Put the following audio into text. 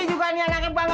bukannya dina di lawan